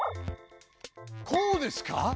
こうですか？